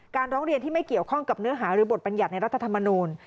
ร้องเรียนที่ไม่เกี่ยวข้องกับเนื้อหาหรือบทบรรยัติในรัฐธรรมนูล